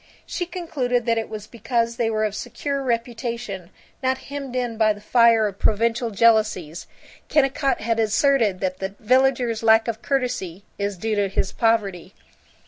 She concluded that it was because they were of secure reputation, not hemmed in by the fire of provincial jealousies. Kennicott had asserted that the villager's lack of courtesy is due to his poverty.